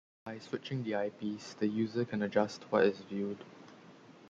By switching the eyepiece, the user can adjust what is viewed.